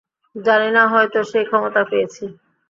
জানি না, হয়তো সেই ক্ষমতা পেয়েছি।